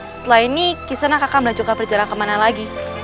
setelah ini kisana kakak melancongkan perjalanan kemana lagi